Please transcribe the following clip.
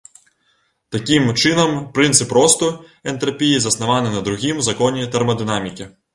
Такім чынам, прынцып росту энтрапіі заснаваны на другім законе тэрмадынамікі.